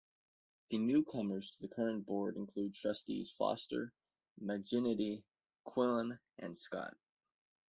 The newcomers to the current board include Trustees Foster, Maginity, Quillin and Scott.